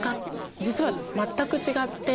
実は全く違って。